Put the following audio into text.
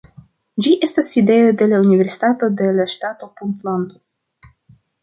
Ĝi estas sidejo de la Universitato de la Ŝtato Puntlando.